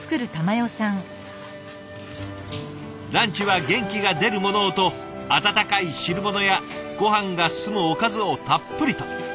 ランチは元気が出るものをと温かい汁物やごはんが進むおかずをたっぷりと。